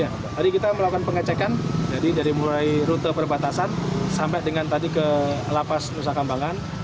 hari kita melakukan pengecekan jadi dari mulai rute perbatasan sampai dengan tadi ke lapas nusa kambangan